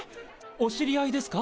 お知り合いですか？